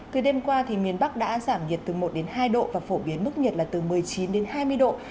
từ đêm qua thì miền bắc đã giảm nhiệt từ một đến hai độ và phổ biến mức nhiệt là từ một mươi chín đến hai mươi độ